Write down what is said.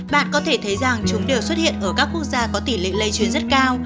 bạn có thể thấy rằng chúng đều xuất hiện ở các quốc gia có tỷ lệ lây truyền rất cao